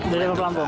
tidak ada pelampung